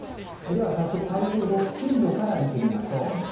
では、早速、台風の進路から見てみましょう。